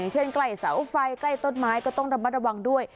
ใกล้เสาไฟใกล้ต้นไม้ก็ต้องระมัดระวังด้วย